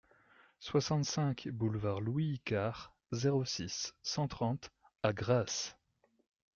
soixante-cinq boulevard Louis Icard, zéro six, cent trente à Grasse